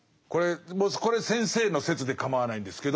これ先生の説で構わないんですけど